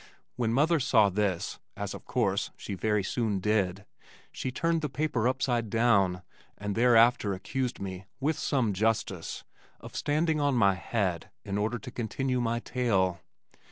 When mother saw this (as of course she very soon did), she turned the paper upside down, and thereafter accused me, with some justice, of standing on my head in order to continue my tale.